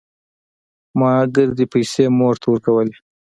ما ګردې پيسې مور ته ورکولې.